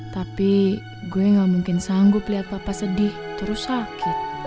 tapi gue gak mungkin sanggup lihat papa sedih terus sakit